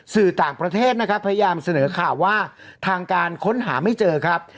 สื่อต่างประเทศนะครับพยายามเสนอข่าวว่าทางการค้นหาไม่เจอครับ